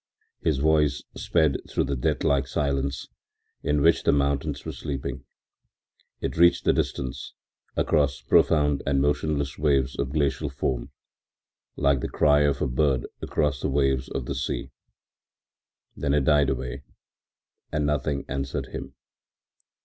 His voice sped through the deathlike silence in which the mountains were sleeping; it reached the distance, across profound and motionless waves of glacial foam, like the cry of a bird across the waves of the sea. Then it died away and nothing answered him.